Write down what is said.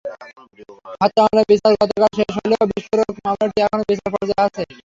হত্যা মামলার বিচার গতকাল শেষ হলেও বিস্ফোরক মামলাটি এখনো বিচার পর্যায়ে আছে।